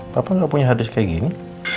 kenapa nggak punya harddisk kayak gini